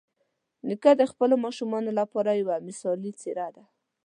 نیکه د خپلو ماشومانو لپاره یوه مثالي څېره ده.